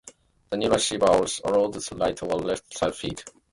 The new receiver allowed right or left side feed.